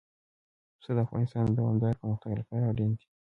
پسه د افغانستان د دوامداره پرمختګ لپاره اړین دي.